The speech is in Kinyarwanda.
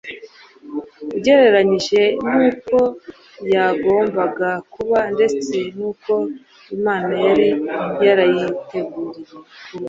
ugereranyije n'uko yagombaga kuba ndetse n'uko imana yari yarayiteguriye kuba